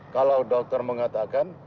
kalau dokter mengatakan